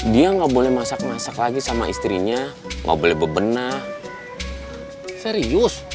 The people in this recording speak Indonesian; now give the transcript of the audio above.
dia nggak boleh masak masak lagi sama istrinya nggak boleh bebenah serius